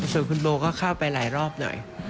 ส่วนคุณโบก็เข้าไปหลายรอบหน่อย